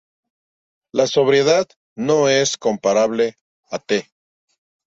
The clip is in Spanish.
La sobriedad no es comparable a "T".